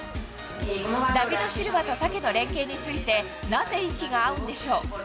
ダビド・シルバとタケの連係について、なぜ息が合うんでしょう。